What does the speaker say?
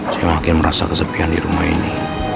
saya makin merasa kesepian di rumah ini